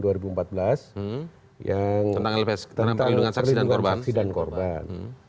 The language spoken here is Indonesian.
yang perlindungan saksi dan korban